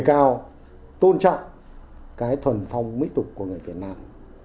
cao tôn trọng cái thuần phong mỹ tục của người việt nam